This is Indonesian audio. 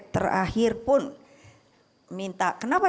terakhir pun minta